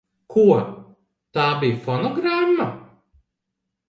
Ko? Tā bija fonogramma?